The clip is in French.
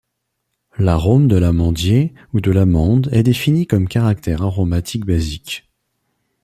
L'arôme de l'amandier, ou de l'amande, est défini comme caractère aromatique basique.